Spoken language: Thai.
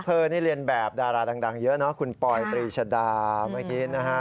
เธอนี่เรียนแบบดาราดังเยอะนะคุณปอยตรีชดามากิ๊นนะคะ